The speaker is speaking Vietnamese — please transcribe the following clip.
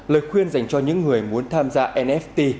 lời khuyên dành cho những người muốn tham gia nft